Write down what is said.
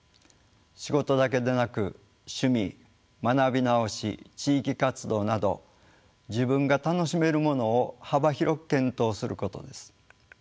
仕事だけでなく趣味学び直し地域活動など自分が楽しめるものを幅広く検討することです。